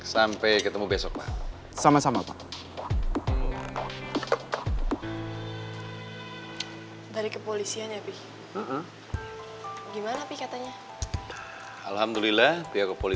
sampai ketemu besok pak